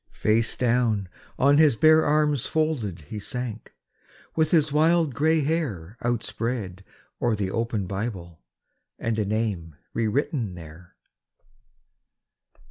Face down on his bare arms folded he sank with his wild grey hair Outspread o'er the open Bible and a name re written there.